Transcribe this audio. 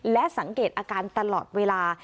และสังเกตอาการตลอดเวลา